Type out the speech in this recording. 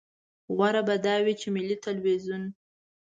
غوره به دا وي چې ملي ټلویزیون.